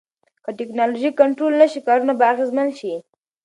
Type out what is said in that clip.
که ټکنالوژي کنټرول نشي، کارونه به اغیزمن شي.